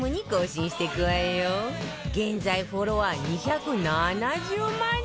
現在フォロワー２７０万人！